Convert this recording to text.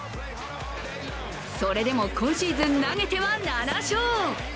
それでも、今シーズン投げては７勝。